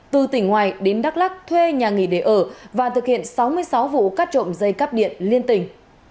từ tỉnh ngoài đến đắk lắc thuê nhà nghỉ để ở và thực hiện sáu mươi sáu vụ cắt trộm dây cắp điện liên tỉnh